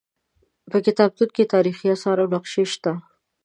په کتابتون کې تاریخي اثار او نقشې شته.